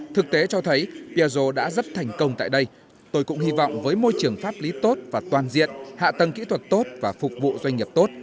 thực tế cho thấy piazo đã rất thành công tại đây tôi cũng hy vọng với môi trường pháp lý tốt và toàn diện hạ tầng kỹ thuật tốt và phục vụ doanh nghiệp tốt